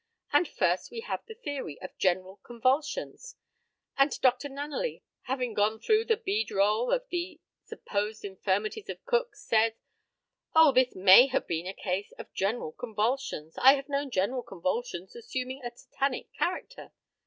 And first, we have the theory of general convulsions; and Dr. Nunneley having gone through the beadroll of the supposed infirmities of Cook, says, "Oh, this may have been a case of general convulsions I have known general convulsions assuming a tetanic character!"